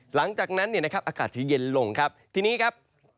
หลังจากนั้นเนี่ยนะครับอากาศจะเย็นลงครับทีนี้ครับ